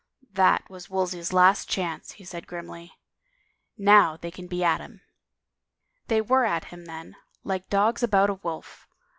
That was Wolsey's last chance," he said grimly. Now they can be at him." They were at him then, like dogs about a wolf.